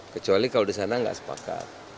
kecuali kalau di sana nggak sepakat